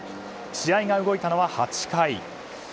試合が動いたのは８回。